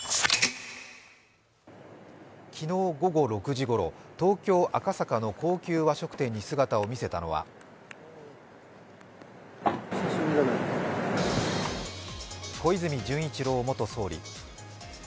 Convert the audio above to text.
昨日午後６時ごろ、東京・赤坂の高級和食店に姿を見せたのは小泉純一郎元総理。